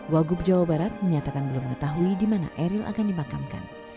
wagub jawa barat menyatakan belum mengetahui di mana eril akan dimakamkan